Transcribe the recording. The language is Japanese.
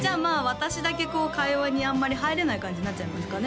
私だけ会話にあんまり入れない感じになっちゃいますかね